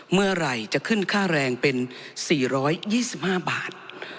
เมื่อไหร่จะขึ้นค่าแรงเป็น๔๒๕บาท